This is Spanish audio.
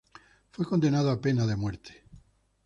Fue condenado a pena de muerte.